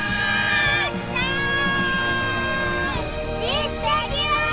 いってきます！